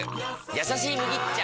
「やさしい麦茶」！